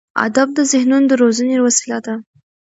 ادب د ذهنونو د روزنې وسیله ده.